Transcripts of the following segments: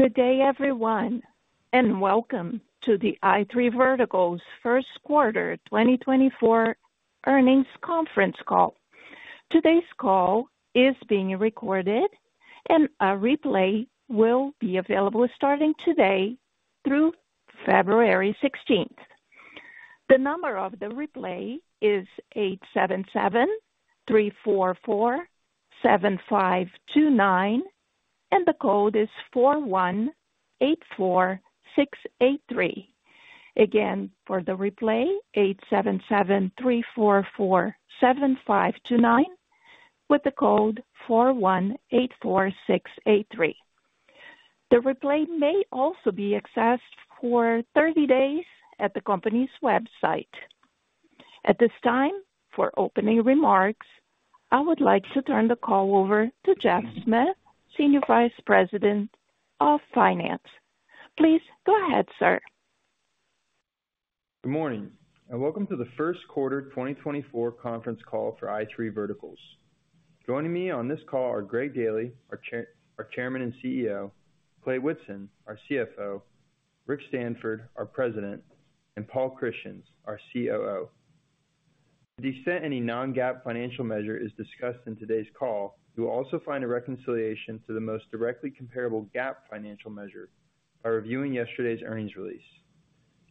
Good day, everyone, and welcome to the i3 Verticals First Quarter 2024 Earnings Conference Call. Today's call is being recorded, and a replay will be available starting today through February 16th. The number of the replay is 877-344-7529, and the code is 418-4683. Again, for the replay, 877-344-7529, with the code 418-4683. The replay may also be accessed for 30 days at the company's website. At this time, for opening remarks, I would like to turn the call over to Geoff Smith, Senior Vice President of Finance. Please go ahead, sir. Good morning, and welcome to the first quarter 2024 conference call for i3 Verticals. Joining me on this call are Greg Daily, our Chairman and CEO, Clay Whitson, our CFO, Rick Stanford, our President, and Paul Christians, our COO. To the extent any non-GAAP financial measure is discussed in today's call, you will also find a reconciliation to the most directly comparable GAAP financial measure by reviewing yesterday's earnings release.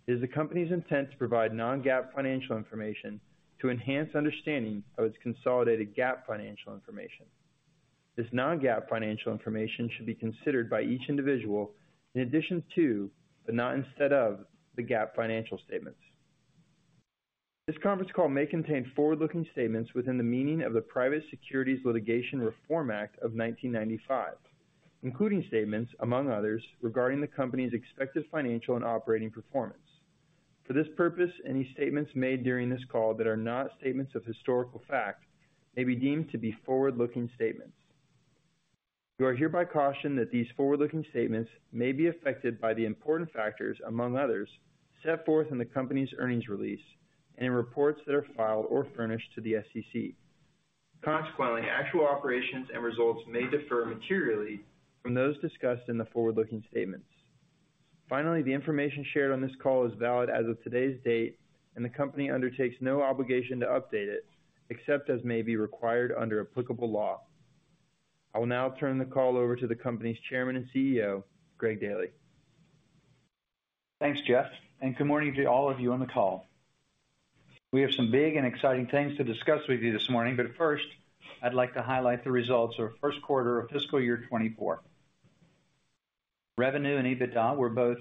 It is the company's intent to provide non-GAAP financial information to enhance understanding of its consolidated GAAP financial information. This non-GAAP financial information should be considered by each individual in addition to, but not instead of, the GAAP financial statements. This conference call may contain forward-looking statements within the meaning of the Private Securities Litigation Reform Act of 1995, including statements, among others, regarding the company's expected financial and operating performance. For this purpose, any statements made during this call that are not statements of historical fact may be deemed to be forward-looking statements. You are hereby cautioned that these forward-looking statements may be affected by the important factors, among others, set forth in the company's earnings release and in reports that are filed or furnished to the SEC. Consequently, actual operations and results may differ materially from those discussed in the forward-looking statements. Finally, the information shared on this call is valid as of today's date, and the company undertakes no obligation to update it, except as may be required under applicable law. I will now turn the call over to the company's chairman and CEO, Greg Daily. Thanks, Geoff, and good morning to all of you on the call. We have some big and exciting things to discuss with you this morning, but first, I'd like to highlight the results of our first quarter of fiscal year 2024. Revenue and EBITDA were both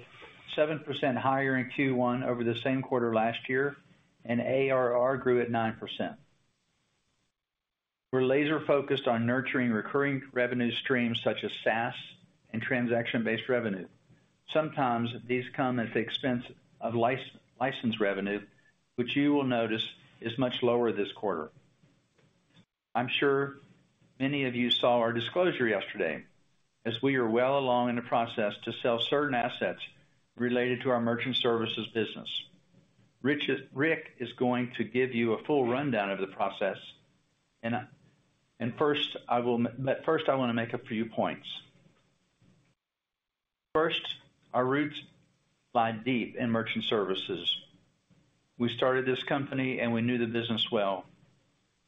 7% higher in Q1 over the same quarter last year, and ARR grew at 9%. We're laser focused on nurturing recurring revenue streams such as SaaS and transaction-based revenue. Sometimes these come at the expense of license revenue, which you will notice is much lower this quarter. I'm sure many of you saw our disclosure yesterday, as we are well along in the process to sell certain assets related to our merchant services business. Rick is going to give you a full rundown of the process, and first, but first, I want to make a few points. First, our roots lie deep in merchant services. We started this company, and we knew the business well.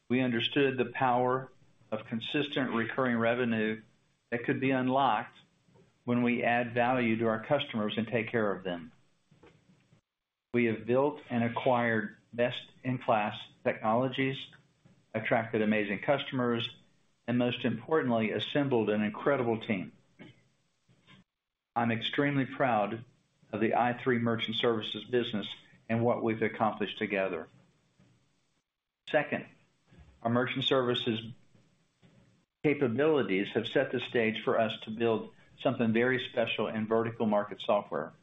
We understood the power of consistent recurring revenue that could be unlocked when we add value to our customers and take care of them. We have built and acquired best-in-class technologies, attracted amazing customers, and most importantly, assembled an incredible team. I'm extremely proud of the i3 merchant services business and what we've accomplished together. Second, our merchant services capabilities have set the stage for us to build something very special in vertical market software.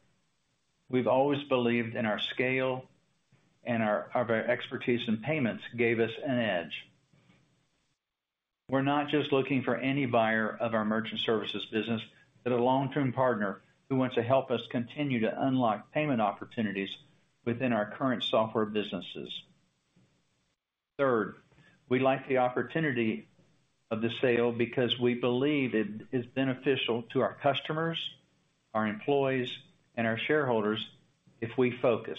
We've always believed in our scale and our expertise in payments gave us an edge. We're not just looking for any buyer of our merchant services business, but a long-term partner who wants to help us continue to unlock payment opportunities within our current software businesses. Third, we like the opportunity of the sale because we believe it is beneficial to our customers, our employees, and our shareholders, if we focus.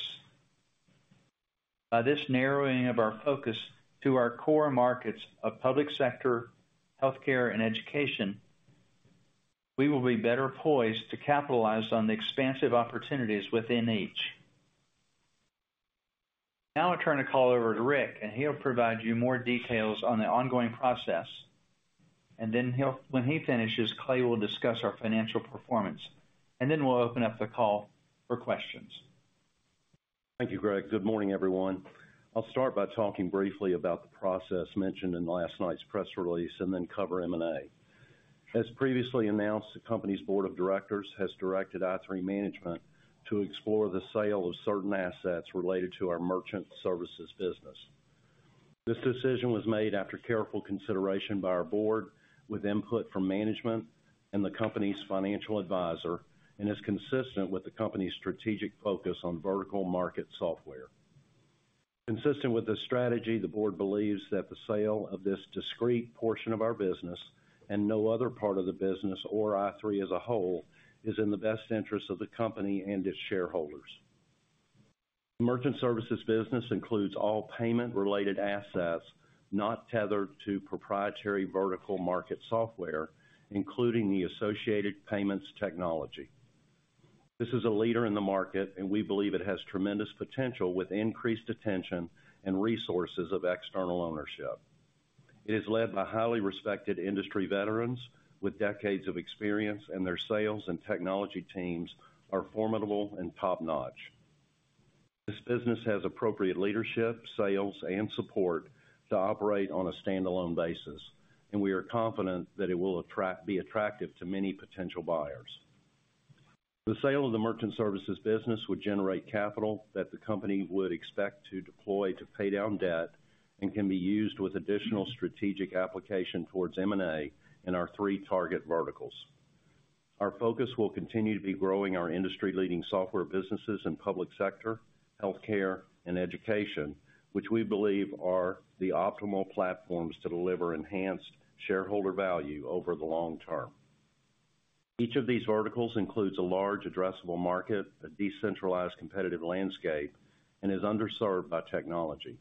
By this narrowing of our focus to our core markets of public sector, healthcare, and education, we will be better poised to capitalize on the expansive opportunities within each. Now I turn the call over to Rick, and he'll provide you more details on the ongoing process, and then he'll. When he finishes, Clay will discuss our financial performance, and then we'll open up the call for questions. Thank you, Greg. Good morning, everyone. I'll start by talking briefly about the process mentioned in last night's press release and then cover M&A. As previously announced, the company's board of directors has directed i3 management to explore the sale of certain assets related to our merchant services business. This decision was made after careful consideration by our board, with input from management and the company's financial advisor, and is consistent with the company's strategic focus on vertical market software. Consistent with the strategy, the board believes that the sale of this discrete portion of our business, and no other part of the business or i3 as a whole, is in the best interest of the company and its shareholders. Merchant services business includes all payment-related assets not tethered to proprietary vertical market software, including the associated payments technology. This is a leader in the market, and we believe it has tremendous potential with increased attention and resources of external ownership. It is led by highly respected industry veterans with decades of experience, and their sales and technology teams are formidable and top-notch. This business has appropriate leadership, sales, and support to operate on a standalone basis, and we are confident that it will be attractive to many potential buyers. The sale of the merchant services business would generate capital that the company would expect to deploy to pay down debt, and can be used with additional strategic application towards M&A in our three target verticals. Our focus will continue to be growing our industry-leading software businesses in public sector, healthcare, and education, which we believe are the optimal platforms to deliver enhanced shareholder value over the long term. Each of these verticals includes a large addressable market, a decentralized competitive landscape, and is underserved by technology.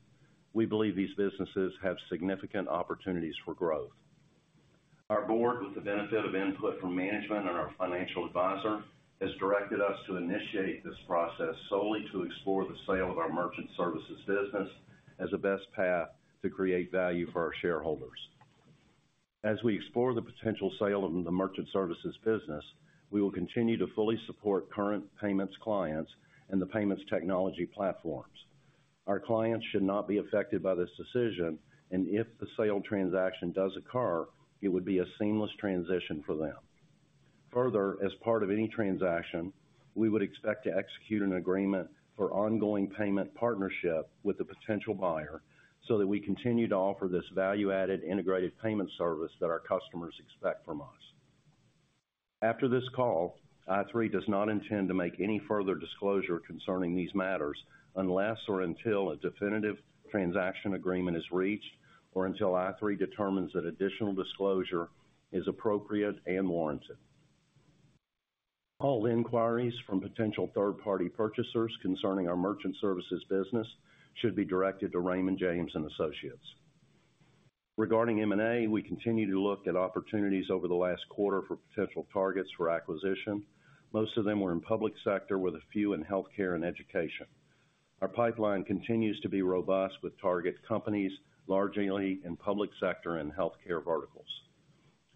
We believe these businesses have significant opportunities for growth. Our board, with the benefit of input from management and our financial advisor, has directed us to initiate this process solely to explore the sale of our merchant services business as the best path to create value for our shareholders. As we explore the potential sale of the merchant services business, we will continue to fully support current payments clients and the payments technology platforms. Our clients should not be affected by this decision, and if the sale transaction does occur, it would be a seamless transition for them. Further, as part of any transaction, we would expect to execute an agreement for ongoing payment partnership with the potential buyer, so that we continue to offer this value-added integrated payment service that our customers expect from us. After this call, i3 does not intend to make any further disclosure concerning these matters, unless or until a definitive transaction agreement is reached, or until i3 determines that additional disclosure is appropriate and warrants it. All inquiries from potential third-party purchasers concerning our merchant services business should be directed to Raymond James & Associates. Regarding M&A, we continued to look at opportunities over the last quarter for potential targets for acquisition. Most of them were in public sector, with a few in healthcare and education. Our pipeline continues to be robust, with target companies largely in public sector and healthcare verticals.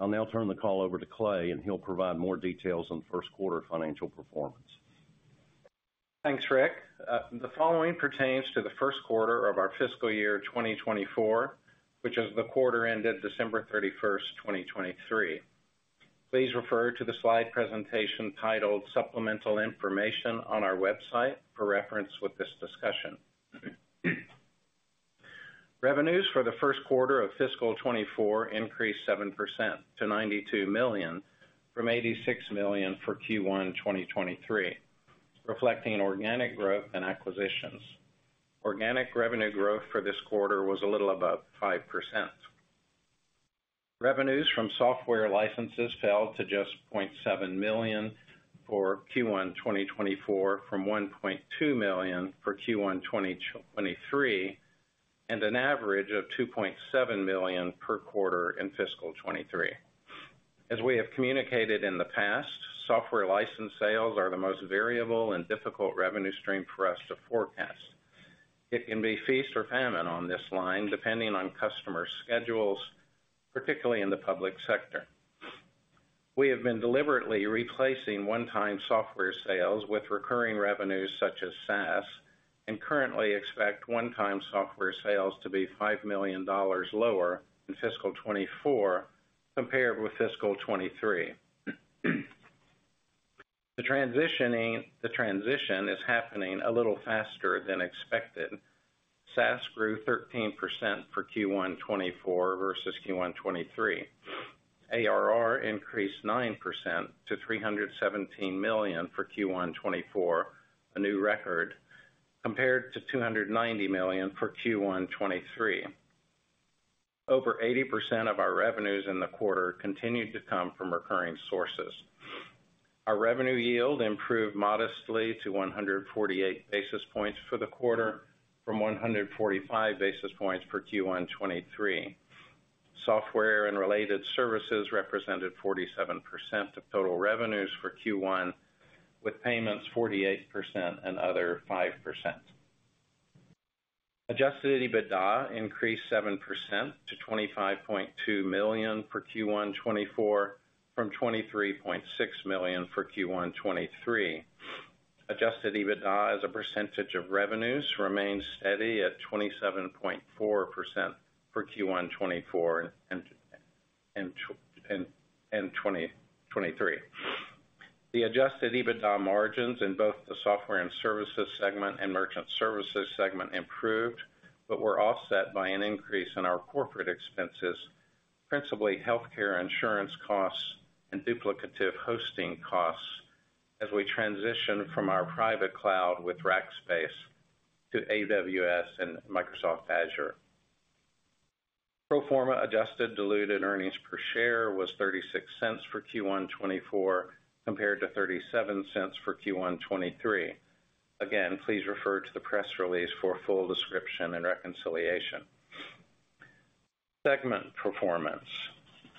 I'll now turn the call over to Clay, and he'll provide more details on first quarter financial performance. Thanks, Rick. The following pertains to the first quarter of our fiscal year 2024, which is the quarter ended December 31, 2023. Please refer to the slide presentation titled Supplemental Information on our website for reference with this discussion. Revenues for the first quarter of fiscal 2024 increased 7% to $92 million, from $86 million for Q1 2023, reflecting organic growth and acquisitions. Organic revenue growth for this quarter was a little above 5%. Revenues from software licenses fell to just $0.7 million for Q1 2024, from $1.2 million for Q1 2023, and an average of $2.7 million per quarter in fiscal 2023. As we have communicated in the past, software license sales are the most variable and difficult revenue stream for us to forecast. It can be feast or famine on this line, depending on customer schedules, particularly in the public sector. We have been deliberately replacing one-time software sales with recurring revenues such as SaaS, and currently expect one-time software sales to be $5 million lower in fiscal 2024 compared with fiscal 2023. The transition is happening a little faster than expected. SaaS grew 13% for Q1 2024 versus Q1 2023. ARR increased 9% to $317 million for Q1 2024, a new record, compared to $290 million for Q1 2023. Over 80% of our revenues in the quarter continued to come from recurring sources. Our revenue yield improved modestly to 148 basis points for the quarter, from 145 basis points for Q1 2023. Software and related services represented 47% of total revenues for Q1, with payments 48% and other 5%. Adjusted EBITDA increased 7% to $25.2 million for Q1 2024, from $23.6 million for Q1 2023. Adjusted EBITDA, as a percentage of revenues, remained steady at 27.4% for Q1 2024 and 2023. The adjusted EBITDA margins in both the software and services segment and merchant services segment improved, but were offset by an increase in our corporate expenses, principally healthcare insurance costs and duplicative hosting costs as we transition from our private cloud with Rackspace to AWS and Microsoft Azure. Pro forma adjusted diluted earnings per share was $0.36 for Q1 2024, compared to $0.37 for Q1 2023. Again, please refer to the press release for a full description and reconciliation. Segment performance.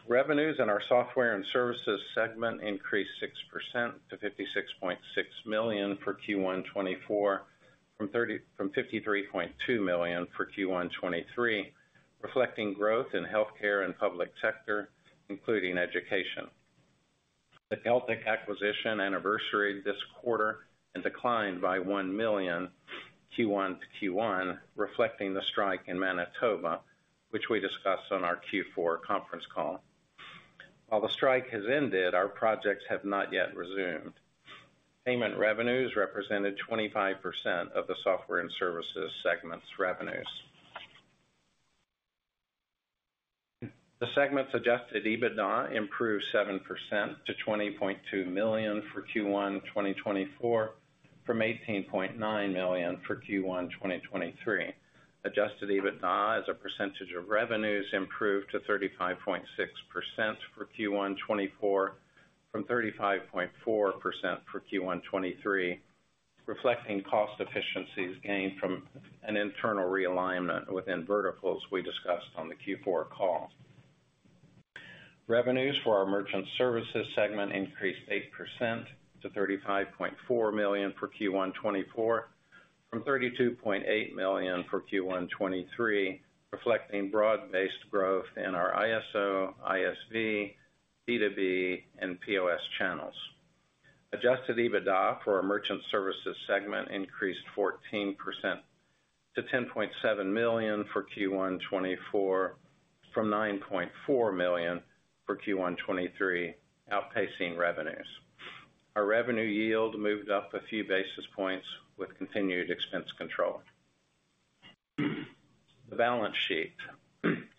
Revenues in our software and services segment increased 6% to $56.6 million for Q1 2024, from $53.2 million for Q1 2023, reflecting growth in healthcare and public sector, including education. The Celtic acquisition anniversaried this quarter and declined by $1 million Q1 to Q1, reflecting the strike in Manitoba, which we discussed on our Q4 conference call. While the strike has ended, our projects have not yet resumed. Payment revenues represented 25% of the software and services segment's revenues. The segment's adjusted EBITDA improved 7% to $20.2 million for Q1 2024, from $18.9 million for Q1 2023. Adjusted EBITDA as a percentage of revenues improved to 35.6% for Q1 2024, from 35.4% for Q1 2023, reflecting cost efficiencies gained from an internal realignment within verticals we discussed on the Q4 call. Revenues for our merchant services segment increased 8% to $35.4 million for Q1 2024, from $32.8 million for Q1 2023, reflecting broad-based growth in our ISO, ISV, B2B, and POS channels. Adjusted EBITDA for our merchant services segment increased 14% to $10.7 million for Q1 2024, from $9.4 million for Q1 2023, outpacing revenues. Our revenue yield moved up a few basis points with continued expense control. The balance sheet.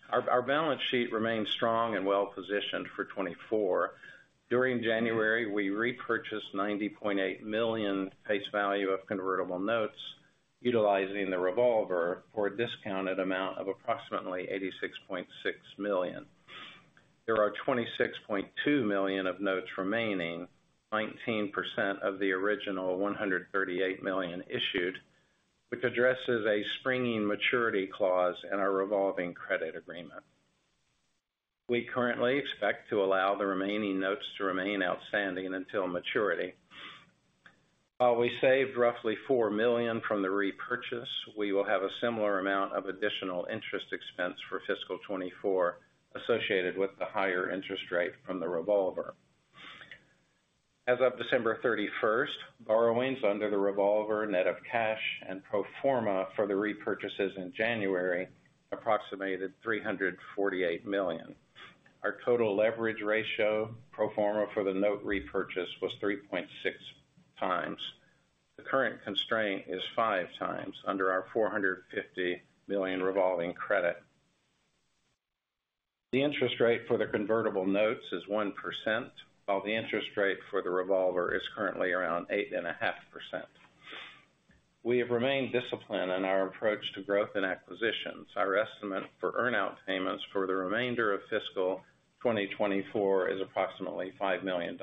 Our balance sheet remains strong and well-positioned for 2024. During January, we repurchased $90.8 million face value of convertible notes, utilizing the revolver for a discounted amount of approximately $86.6 million. There are $26.2 million of notes remaining, 19% of the original $138 million issued, which addresses a springing maturity clause in our revolving credit agreement. We currently expect to allow the remaining notes to remain outstanding until maturity. While we saved roughly $4 million from the repurchase, we will have a similar amount of additional interest expense for fiscal 2024, associated with the higher interest rate from the revolver. As of December thirty-first, borrowings under the revolver, net of cash and pro forma for the repurchases in January, approximated $348 million. Our total leverage ratio, pro forma for the note repurchase, was 3.6 times. The current constraint is 5 times under our $450 million revolving credit. The interest rate for the convertible notes is 1%, while the interest rate for the revolver is currently around 8.5%. We have remained disciplined in our approach to growth and acquisitions. Our estimate for earn-out payments for the remainder of fiscal 2024 is approximately $5 million.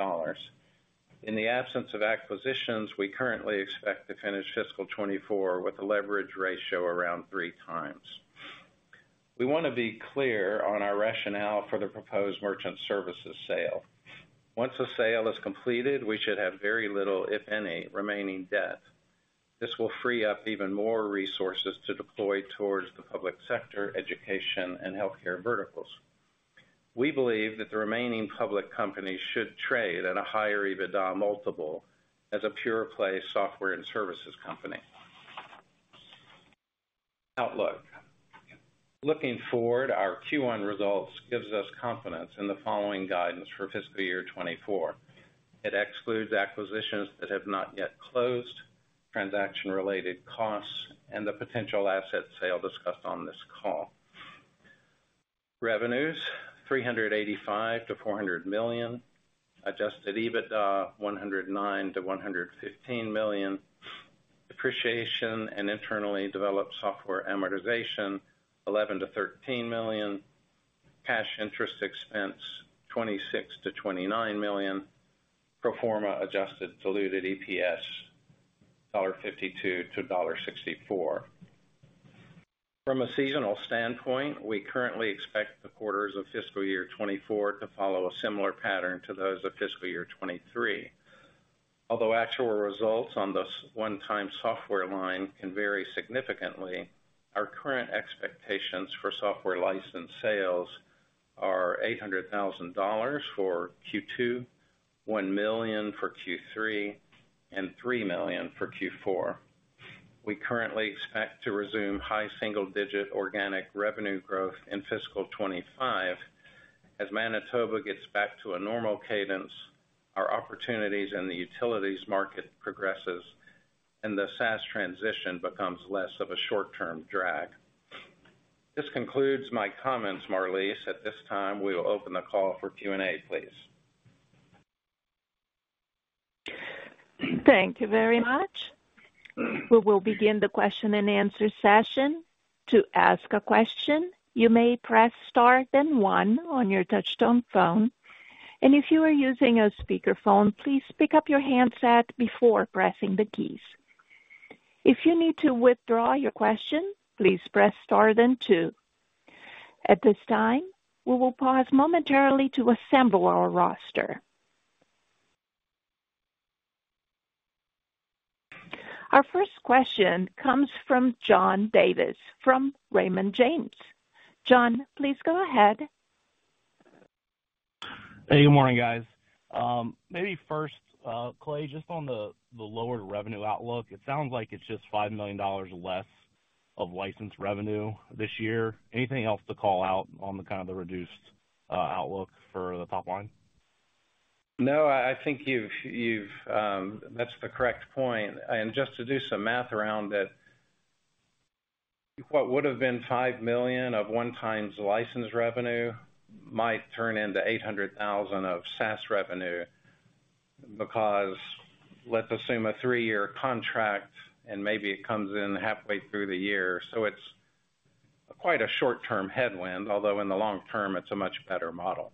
In the absence of acquisitions, we currently expect to finish fiscal 2024 with a leverage ratio around 3 times. We want to be clear on our rationale for the proposed merchant services sale. Once the sale is completed, we should have very little, if any, remaining debt. This will free up even more resources to deploy towards the public sector, education, and healthcare verticals. We believe that the remaining public companies should trade at a higher EBITDA multiple as a pure play software and services company. Outlook. Looking forward, our Q1 results gives us confidence in the following guidance for fiscal year 2024. It excludes acquisitions that have not yet closed, transaction-related costs, and the potential asset sale discussed on this call. Revenues, $385 million-$400 million. Adjusted EBITDA, $109 million-$115 million. Depreciation and internally developed software amortization, $11 million-$13 million. Cash interest expense, $26 million-$29 million. Pro forma adjusted diluted EPS, $0.52-$0.64. From a seasonal standpoint, we currently expect the quarters of fiscal year 2024 to follow a similar pattern to those of fiscal year 2023. Although actual results on the one-time software line can vary significantly, our current expectations for software license sales are $800,000 for Q2, $1 million for Q3, and $3 million for Q4. We currently expect to resume high single-digit organic revenue growth in fiscal 2025. As Manitoba gets back to a normal cadence, our opportunities in the utilities market progresses, and the SaaS transition becomes less of a short-term drag. This concludes my comments, Marlise. At this time, we will open the call for Q&A, please. Thank you very much. We will begin the question and answer session. To ask a question, you may press star then one on your touchtone phone, and if you are using a speakerphone, please pick up your handset before pressing the keys. If you need to withdraw your question, please press star then two. At this time, we will pause momentarily to assemble our roster. Our first question comes from John Davis, from Raymond James. John, please go ahead. Hey, good morning, guys. Maybe first, Clay, just on the, the lower revenue outlook, it sounds like it's just $5 million less of licensed revenue this year. Anything else to call out on the kind of the reduced outlook for the top line? No, I think you've that's the correct point. Just to do some math around it, what would have been $5 million of one-time license revenue might turn into $800,000 of SaaS revenue, because let's assume a three-year contract, and maybe it comes in halfway through the year. So it's quite a short-term headwind, although in the long term, it's a much better model.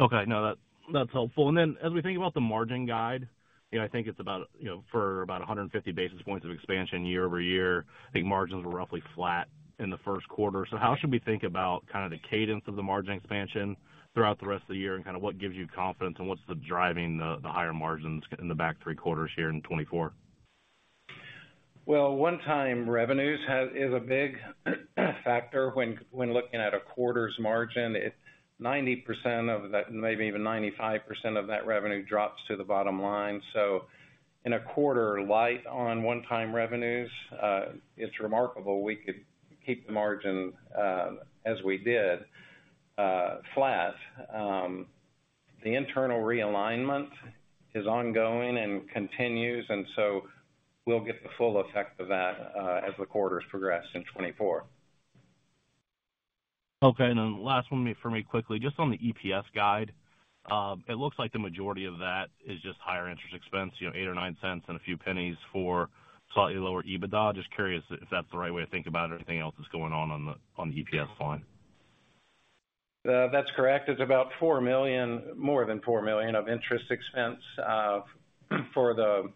Okay. No, that, that's helpful. And then as we think about the margin guide, you know, I think it's about, you know, for about 150 basis points of expansion year-over-year. I think margins were roughly flat in the first quarter. So how should we think about kind of the cadence of the margin expansion throughout the rest of the year, and kind of what gives you confidence, and what's driving the higher margins in the back three quarters here in 2024? Well, one-time revenues is a big factor when looking at a quarter's margin. It, 90% of that, maybe even 95% of that revenue drops to the bottom line. So in a quarter light on one-time revenues, it's remarkable we could keep the margin as we did flat. The internal realignment is ongoing and continues, and so we'll get the full effect of that as the quarters progress in 2024. Okay, and then last one for me, quickly, just on the EPS guide. It looks like the majority of that is just higher interest expense, you know, $0.08-$0.09 and a few pennies for slightly lower EBITDA. Just curious if that's the right way to think about it, or anything else that's going on, on the EPS line. That's correct. It's about $4 million, more than $4 million of interest expense, for the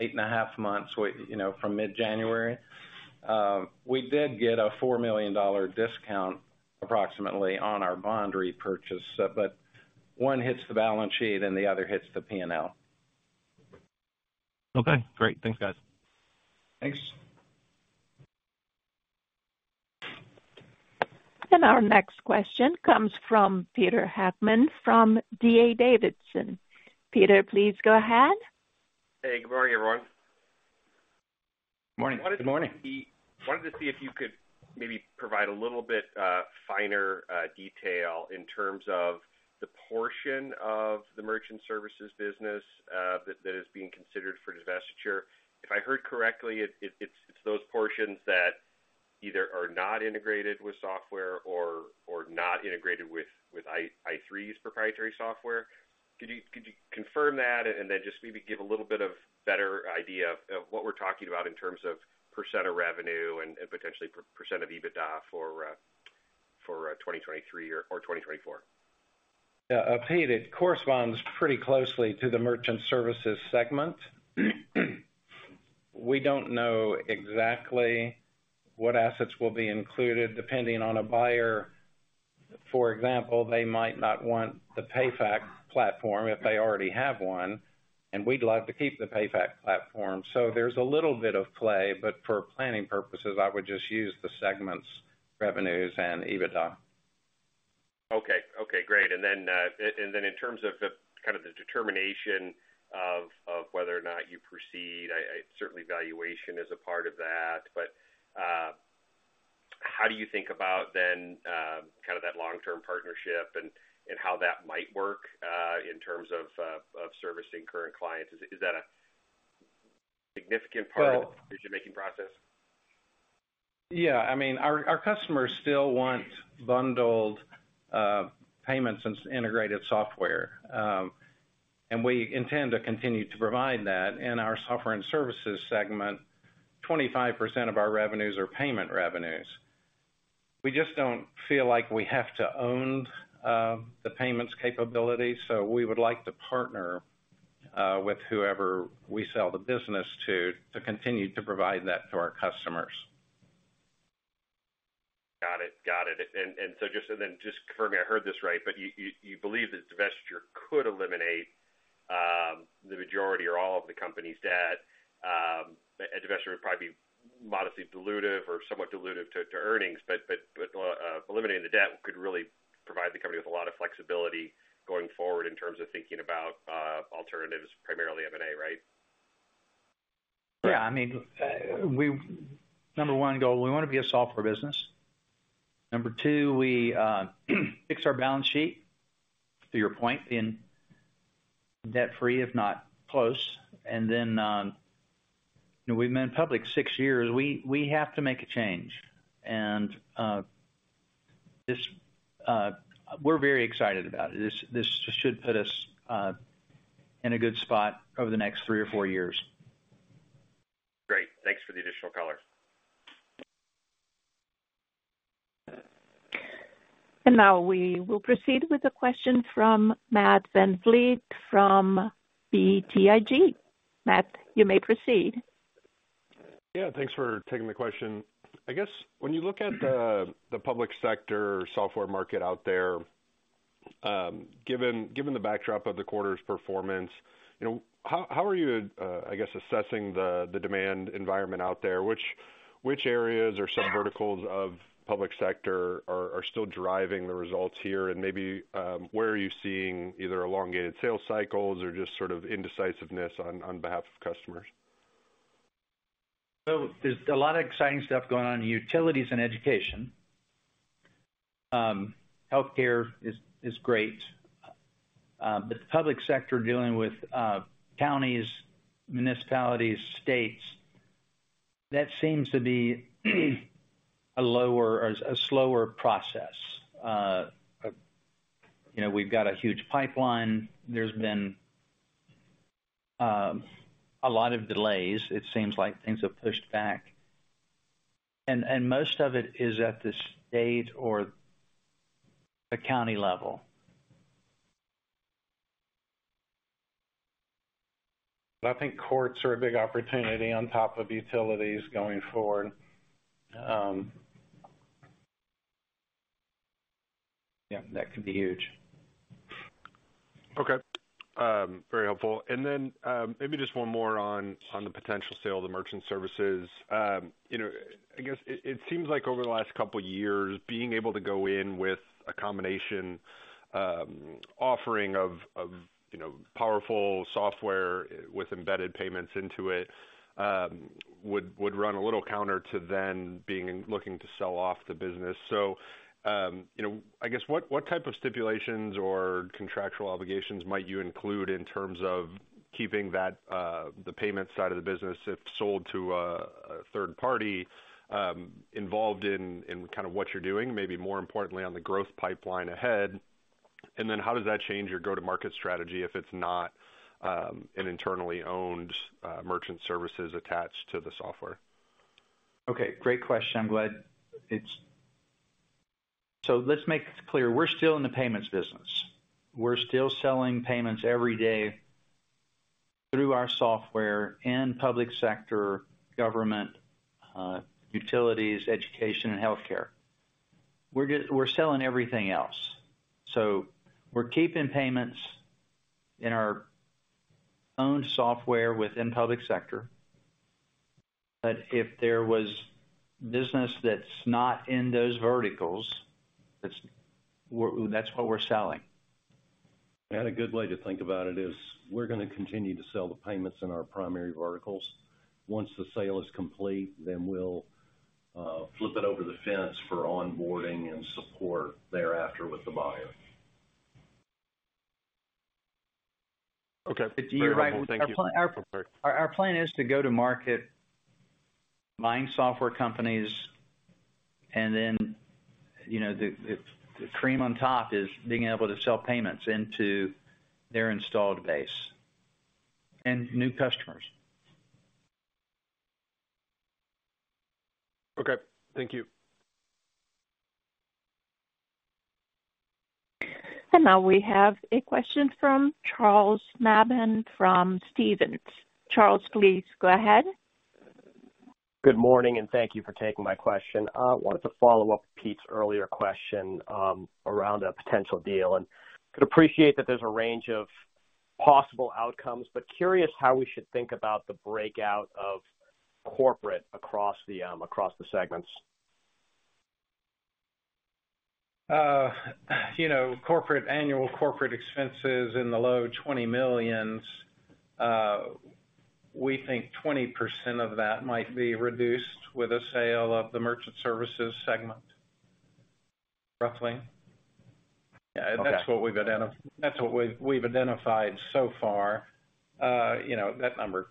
eight and a half months, we, you know, from mid-January. We did get a $4 million discount, approximately, on our bond repurchase, but one hits the balance sheet and the other hits the PNL. Okay, great. Thanks, guys. Thanks. Our next question comes from Peter Heckmann, from D.A. Davidson. Peter, please go ahead. Hey, good morning, everyone. Morning. Good morning. Wanted to see if you could maybe provide a little bit, finer, detail in terms of the portion of the merchant services business, that is being considered for divestiture. If I heard correctly, it's those portions that either are not integrated with software or not integrated with i3's proprietary software. Could you confirm that and then just maybe give a little bit of better idea of what we're talking about in terms of percent of revenue and potentially percent of EBITDA for 2023 or 2024? Yeah. Pete, it corresponds pretty closely to the merchant services segment. We don't know exactly what assets will be included, depending on a buyer. For example, they might not want the PayFac platform if they already have one, and we'd love to keep the PayFac platform. So there's a little bit of play, but for planning purposes, I would just use the segments, revenues and EBITDA. Okay. Okay, great. And then, and then in terms of the kind of the determination of, of whether or not you proceed, I, I certainly valuation is a part of that, but, how do you think about then, kind of that long-term partnership and, and how that might work, in terms of, of servicing current clients? Is, is that a significant part of the decision-making process? Yeah, I mean, our customers still want bundled payments and integrated software, and we intend to continue to provide that. In our software and services segment, 25% of our revenues are payment revenues. We just don't feel like we have to own the payments capability, so we would like to partner with whoever we sell the business to, to continue to provide that to our customers. Got it. Got it. And so just confirm I heard this right, but you believe that divestiture could eliminate the majority or all of the company's debt, and divestiture would probably be modestly dilutive or somewhat dilutive to earnings, but eliminating the debt could really provide the company with a lot of flexibility going forward in terms of thinking about alternatives, primarily M&A, right? Yeah, I mean, number one goal, we want to be a software business. Number two, we fix our balance sheet, to your point, in-... debt-free, if not close. And then, we've been public six years. We, we have to make a change, and, this, we're very excited about it. This, this should put us, in a good spot over the next three or four years. Great. Thanks for the additional color. Now we will proceed with a question from Matt VanVliet from BTIG. Matt, you may proceed. Yeah, thanks for taking the question. I guess when you look at the public sector software market out there, given the backdrop of the quarter's performance, you know, how are you assessing the demand environment out there? Which areas or some verticals of public sector are still driving the results here? And maybe, where are you seeing either elongated sales cycles or just sort of indecisiveness on behalf of customers? So there's a lot of exciting stuff going on in utilities and education. Healthcare is great, but the public sector, dealing with counties, municipalities, states, that seems to be a lower or a slower process. You know, we've got a huge pipeline. There's been a lot of delays. It seems like things have pushed back, and most of it is at the state or the county level. I think courts are a big opportunity on top of utilities going forward. Yeah, that could be huge. Okay, very helpful. And then, maybe just one more on the potential sale of the merchant services. You know, I guess it seems like over the last couple of years, being able to go in with a combination offering of, you know, powerful software with embedded payments into it, would run a little counter to then being, looking to sell off the business. So, you know, I guess, what type of stipulations or contractual obligations might you include in terms of keeping that, the payment side of the business, if sold to a third party, involved in kind of what you're doing, maybe more importantly, on the growth pipeline ahead? And then how does that change your go-to-market strategy if it's not an internally owned merchant services attached to the software? Okay, great question. I'm glad it's... So let's make this clear. We're still in the payments business. We're still selling payments every day through our software in public sector, government, utilities, education, and healthcare. We're selling everything else, so we're keeping payments in our own software within public sector. But if there was business that's not in those verticals, that's where- that's what we're selling. A good way to think about it is we're going to continue to sell the payments in our primary verticals. Once the sale is complete, we'll flip it over the fence for onboarding and support thereafter with the buyer. Okay. You're right. Thank you. Our plan is to go to market, buying software companies, and then, you know, the cream on top is being able to sell payments into their installed base and new customers. Okay, thank you. Now we have a question from Charles Nabhan, from Stephens. Charles, please go ahead. Good morning, and thank you for taking my question. I wanted to follow up Pete's earlier question around a potential deal, and could appreciate that there's a range of possible outcomes, but curious how we should think about the breakout of corporate across the segments. You know, corporate expenses in the low $20 million, we think 20% of that might be reduced with a sale of the merchant services segment, roughly. Okay. That's what we've identified so far. You know, that number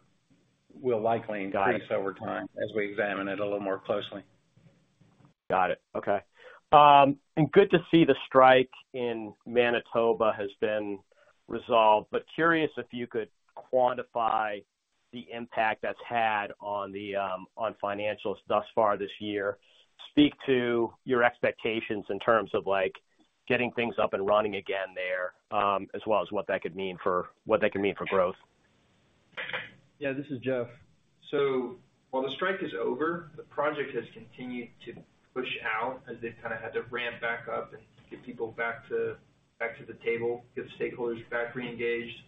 will likely increase- Got it. Over time as we examine it a little more closely. Got it. Okay. Good to see the strike in Manitoba has been resolved, but curious if you could quantify the impact that's had on the financials thus far this year. Speak to your expectations in terms of, like, getting things up and running again there, as well as what that could mean for growth. Yeah, this is Geoff. So while the strike is over, the project has continued to push out as they've kind of had to ramp back up and get people back to, back to the table, get the stakeholders back reengaged. So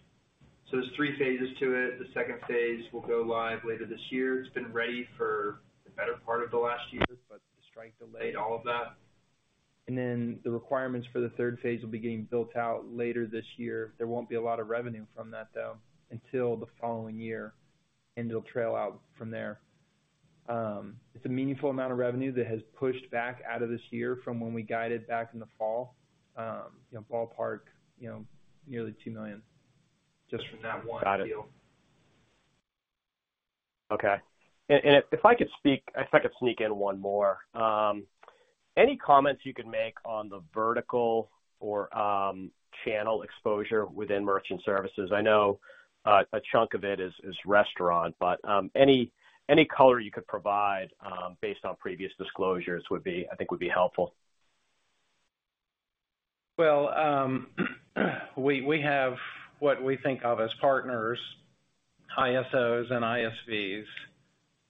there's three phases to it. The second phase will go live later this year. It's been ready for the better part of the last year, but the strike delayed all of that. And then the requirements for the third phase will be getting built out later this year. There won't be a lot of revenue from that, though, until the following year, and it'll trail out from there.... It's a meaningful amount of revenue that has pushed back out of this year from when we guided back in the fall. You know, ballpark, you know, nearly $2 million just from that one deal. Got it. Okay. And if I could sneak in one more. Any comments you could make on the vertical or channel exposure within merchant services? I know a chunk of it is restaurant, but any color you could provide based on previous disclosures would be, I think, helpful. Well, we have what we think of as partners, ISOs and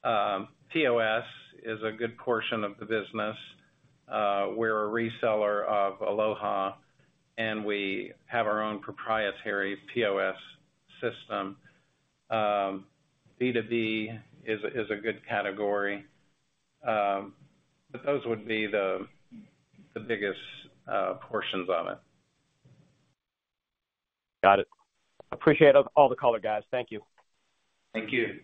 ISVs. POS is a good portion of the business. We're a reseller of Aloha, and we have our own proprietary POS system. B2B is a good category. But those would be the biggest portions of it. Got it. Appreciate all the color, guys. Thank you. Thank you.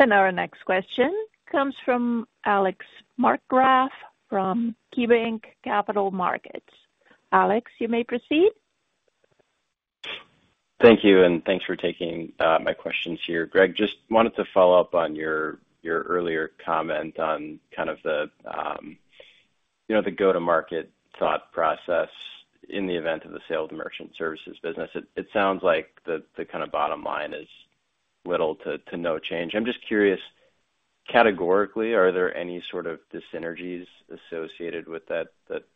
Our next question comes from Alex Markgraff, from KeyBanc Capital Markets. Alex, you may proceed. Thank you, and thanks for taking my questions here. Greg, just wanted to follow up on your, your earlier comment on kind of the, you know, the go-to-market thought process in the event of the sale of the merchant services business. It sounds like the kind of bottom line is little to no change. I'm just curious, categorically, are there any sort of dyssynergies associated with that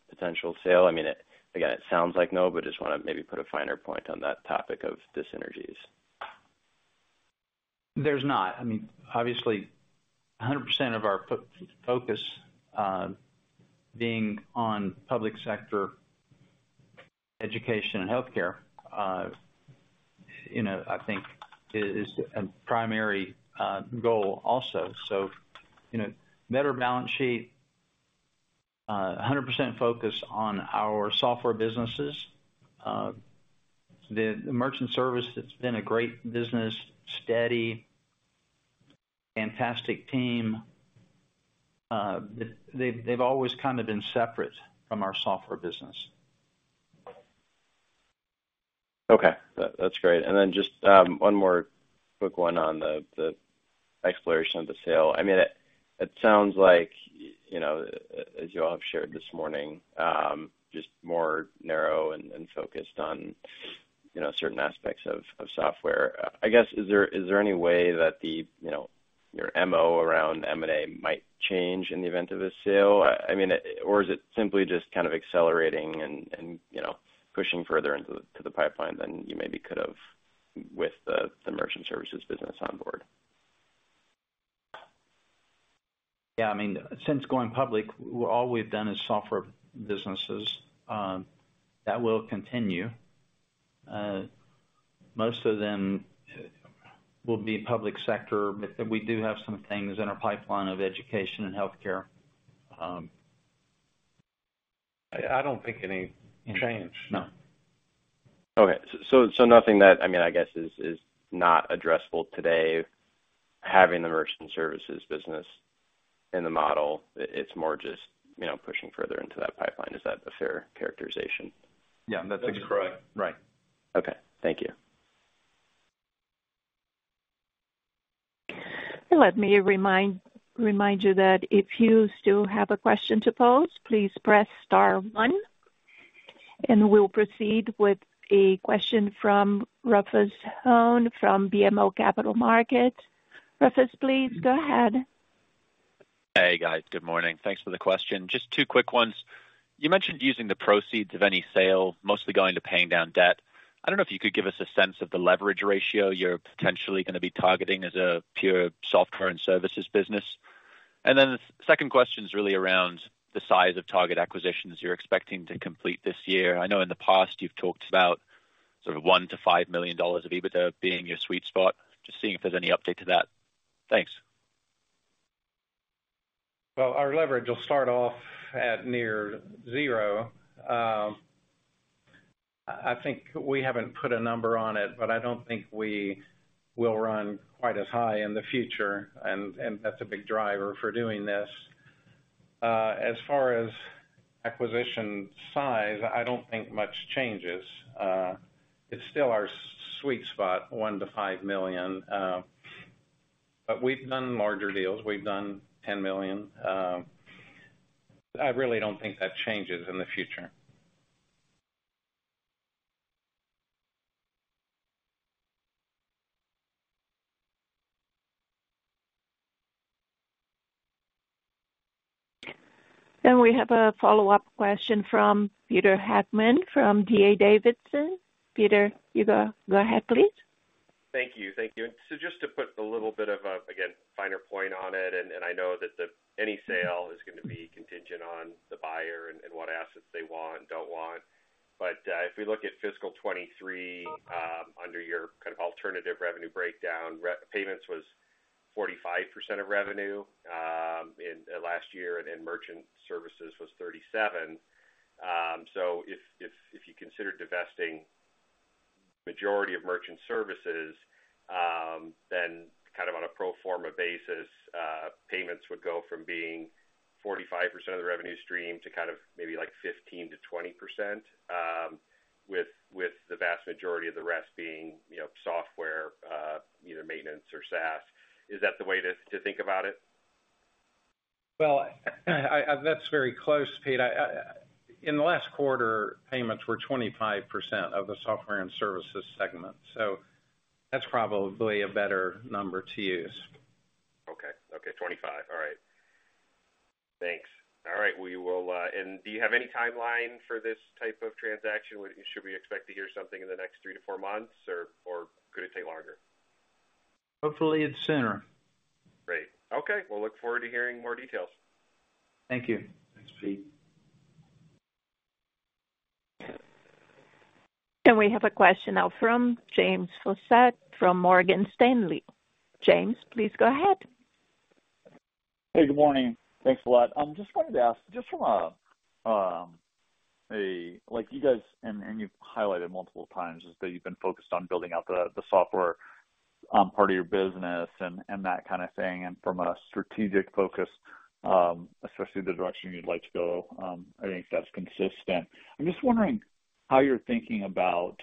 potential sale? I mean, again, it sounds like no, but just want to maybe put a finer point on that topic of dyssynergies. There's not. I mean, obviously, 100% of our focus being on public sector education and healthcare, you know, I think is a primary goal also. So, you know, better balance sheet, 100% focus on our software businesses. The merchant service, it's been a great business, steady, fantastic team. They've always kind of been separate from our software business. Okay, that's great. And then just one more quick one on the exploration of the sale. I mean, it sounds like, you know, as you all have shared this morning, just more narrow and focused on, you know, certain aspects of software. I guess, is there any way that, you know, your MO around M&A might change in the event of a sale? I mean... Or is it simply just kind of accelerating and, you know, pushing further into the pipeline than you maybe could have with the merchant services business on board? Yeah, I mean, since going public, all we've done is software businesses, that will continue. Most of them will be public sector, but we do have some things in our pipeline of education and healthcare. I don't think any change. No. Okay. So nothing that, I mean, I guess, is not addressable today, having the merchant services business in the model, it's more just, you know, pushing further into that pipeline. Is that a fair characterization? Yeah, that's correct. Right. Okay, thank you. Let me remind, remind you that if you still have a question to pose, please press star one, and we'll proceed with a question from Rufus Hone, from BMO Capital Markets. Rufus, please go ahead. Hey, guys. Good morning. Thanks for the question. Just two quick ones. You mentioned using the proceeds of any sale, mostly going to paying down debt. I don't know if you could give us a sense of the leverage ratio you're potentially going to be targeting as a pure software and services business. And then the second question is really around the size of target acquisitions you're expecting to complete this year. I know in the past you've talked about sort of $1 million-$5 million of EBITDA being your sweet spot. Just seeing if there's any update to that. Thanks. Well, our leverage will start off at near zero. I think we haven't put a number on it, but I don't think we will run quite as high in the future, and, and that's a big driver for doing this. As far as acquisition size, I don't think much changes. It's still our sweet spot, $1 million-$5 million, but we've done larger deals. We've done $10 million. I really don't think that changes in the future. We have a follow-up question from Peter Heckmann, from D.A. Davidson. Peter, you go, go ahead, please. Thank you. Thank you. So just to put a little bit of a, again, finer point on it, and, and I know that the any sale is going to be contingent on the buyer and, and what assets they want and don't want. But, if we look at fiscal 2023, under your kind of alternative revenue breakdown, payments was-... 45% of revenue in last year, and in merchant services was 37. So if you consider divesting majority of merchant services, then kind of on a pro forma basis, payments would go from being 45% of the revenue stream to kind of maybe like 15%-20%, with the vast majority of the rest being, you know, software, either maintenance or SaaS. Is that the way to think about it? Well, that's very close, Pete. In the last quarter, payments were 25% of the software and services segment, so that's probably a better number to use. Okay. Okay, 25. All right. Thanks. All right, we will... Do you have any timeline for this type of transaction? Should we expect to hear something in the next 3-4 months, or, or could it take longer? Hopefully, it's sooner. Great. Okay, we'll look forward to hearing more details. Thank you. Thanks, Pete. We have a question now from James Faucette, from Morgan Stanley. James, please go ahead. Hey, good morning. Thanks a lot. I'm just wanted to ask, just from a, a like you guys, and, and you've highlighted multiple times, is that you've been focused on building out the, the software, part of your business and, and that kind of thing. And from a strategic focus, especially the direction you'd like to go, I think that's consistent. I'm just wondering how you're thinking about,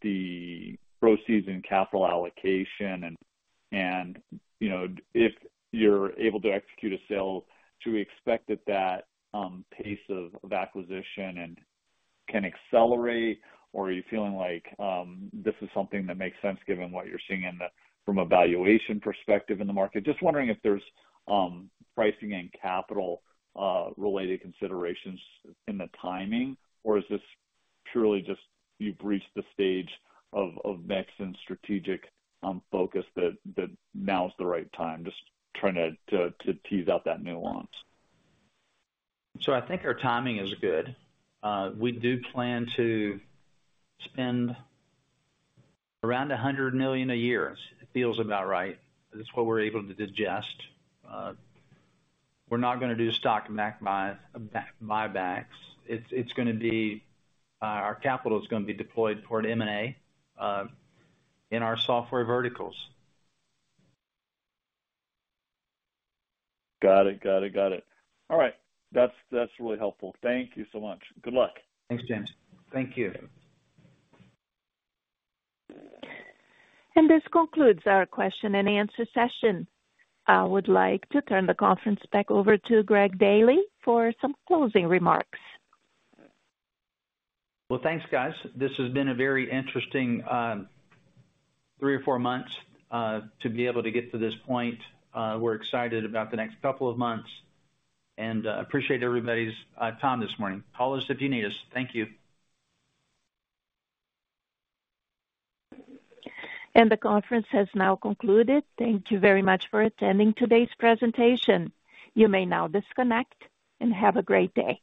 the proceeds and capital allocation and, and, you know, if you're able to execute a sale, should we expect that that, pace of, of acquisition and can accelerate? Or are you feeling like, this is something that makes sense, given what you're seeing in the, from a valuation perspective in the market? Just wondering if there's pricing and capital related considerations in the timing, or is this purely just you've reached the stage of next and strategic focus that now is the right time? Just trying to tease out that nuance. So I think our timing is good. We do plan to spend around $100 million a year. It feels about right. That's what we're able to digest. We're not gonna do stock buybacks. It's, it's gonna be, our capital is gonna be deployed toward M&A in our software verticals. Got it. Got it. Got it. All right. That's, that's really helpful. Thank you so much. Good luck. Thanks, James. Thank you. This concludes our question and answer session. I would like to turn the conference back over to Greg Daily for some closing remarks. Well, thanks, guys. This has been a very interesting three or four months to be able to get to this point. We're excited about the next couple of months, and appreciate everybody's time this morning. Call us if you need us. Thank you. The conference has now concluded. Thank you very much for attending today's presentation. You may now disconnect, and have a great day.